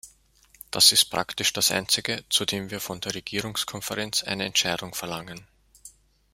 Das ist praktisch das Einzige, zu dem wir von der Regierungskonferenz eine Entscheidung verlangen!